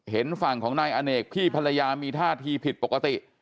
เห็นฝั่งของนายอเนกพี่ภรรยามีท่าทีผิดปกติ